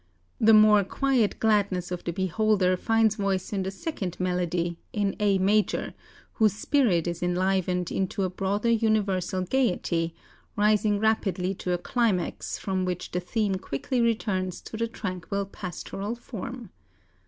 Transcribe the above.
The more quiet gladness of the beholder finds voice in the second melody, in A major, whose spirit is enlivened into a broader universal gaiety, rising rapidly to a climax, from which the theme quickly returns to the tranquil pastoral form.